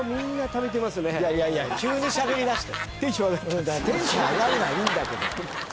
すごい！テンション上がるのはいいんだけど。